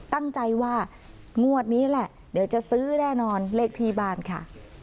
ตั้งใจว่างวดนี้แหละเดี๋ยวจะซื้อแน่นอนเลขที่บ้านค่ะ